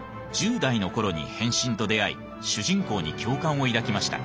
１０代の頃に「変身」と出会い主人公に共感を抱きました。